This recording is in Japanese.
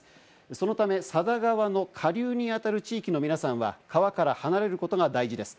そのため佐田川の下流にあたる地域の皆さんは川から離れることが大事です。